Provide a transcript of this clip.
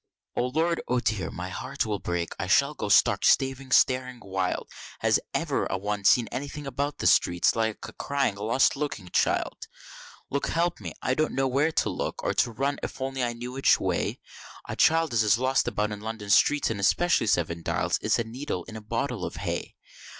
"O Lord! O dear, my heart will break, I shall go stick stark staring wild! Has ever a one seen anything about the streets like a crying lost looking child? Lawk help me, I don't know where to look, or to run, if I only knew which way A Child as is lost about London Streets, and especially Seven Dials, is a needle in a bottle of hay.